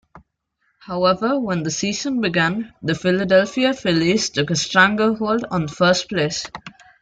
However, when the season began, the Philadelphia Phillies took a stranglehold on first place.